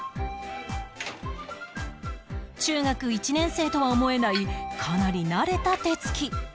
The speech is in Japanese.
中学１年生とは思えないかなり慣れた手付き